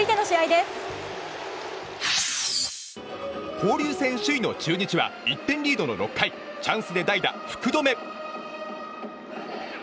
交流戦首位の中日は１点リードの６回チャンスで代打、福留。